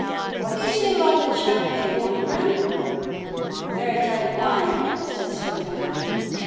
What do you say about that champagne, Monogram?" "Very tidy wine," said Sir Damask.